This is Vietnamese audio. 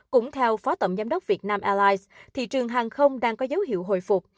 cũng theo phó tổng giám đốc vietnam airlines thị trường hàng không đang có dấu hiệu hồi phục